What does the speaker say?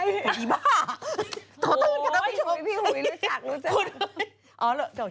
ไอ้บ้าโทรต้นกันแล้วพี่หุยรู้จักรู้จัก